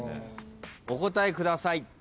お答えください。